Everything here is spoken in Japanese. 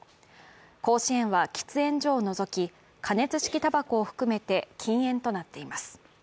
甲子園は喫煙所を除き加熱式たばこを含めて禁煙となっています。